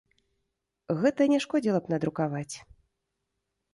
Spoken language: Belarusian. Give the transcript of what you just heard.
Гэта не шкодзіла б надрукаваць.